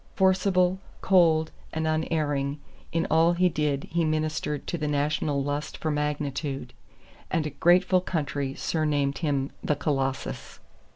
Forcible, cold and unerring, in all he did he ministered to the national lust for magnitude; and a grateful country surnamed him the Colossus.